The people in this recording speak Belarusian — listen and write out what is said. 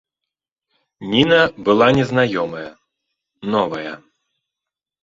Ніна была незнаёмая, новая.